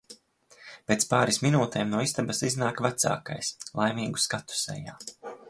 Pēc pāris minūtēm no istabas iznāk vecākais – laimīgu skatu sejā.